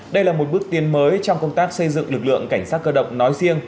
đây là một bước tiến mới trong công tác xây dựng lực lượng cảnh sát cơ động nói riêng